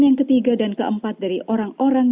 yang ketiga dan keempat dari orang orang